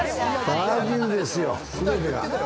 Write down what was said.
バジルですよ、全てが。